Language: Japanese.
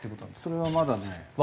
それはまだね。